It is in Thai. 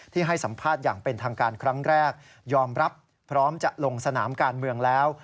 ให้สัมภาษณ์อย่างเป็นทางการครั้งแรกยอมรับพร้อมจะลงสนามการเมืองแล้ว